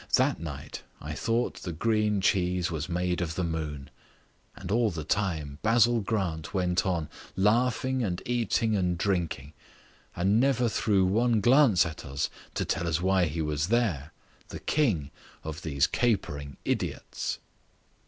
That night I thought the green cheese was made of the moon. And all the time Basil Grant went on laughing and eating and drinking, and never threw one glance at us to tell us why he was there, the king of these capering idiots.